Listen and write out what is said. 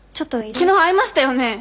昨日会いましたよね？